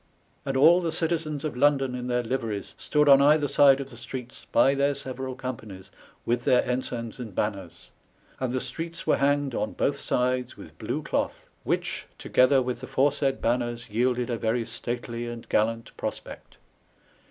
And all the Gitizens of London in their Liveries stood on either side of the streets, by their seurall Gompanies, with their Ensigns and Banners; and the streets were hanged on both sides with blew cloath, which, together with the foresaid Banners, yielded a very stately and gallant prospect.